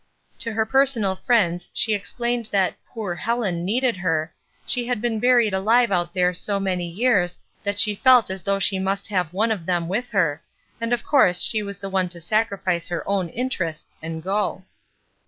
To her personal friends she explained that "poor Helen" needed her; she had been buried alive out there so many years that she felt as though she must have one of them with her, and of course she was the one to sacrifice her own interests and go.